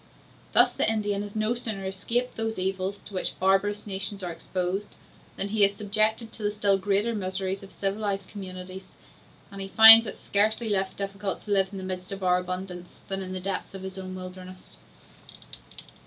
Thus the Indian has no sooner escaped those evils to which barbarous nations are exposed, than he is subjected to the still greater miseries of civilized communities; and he finds is scarcely less difficult to live in the midst of our abundance, than in the depth of his own wilderness.